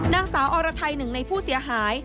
นางสาวอรไทยหนึ่งในผู้เสียหาย